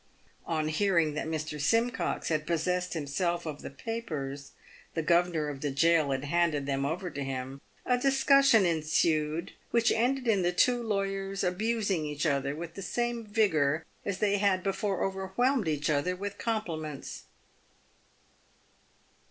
On hearing that Mr. Simcox had possessed himself of the papers — the governor of the gaol had handed them over to him — a discussion ensued, which ended in the two lawyers abusing each other with the same vigour as they had before overwhelmed each other with compliments.